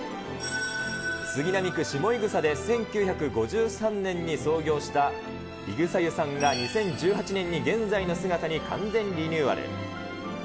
杉並区下井草で１９５３年に創業した井草湯さんが、２０１８年に現在の姿に完全リニューアル。